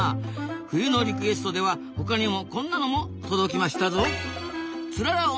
冬のリクエストでは他にもこんなのも届きましたぞ。